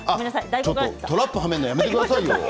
ちょっとトラップにはめるのやめてくださいよ。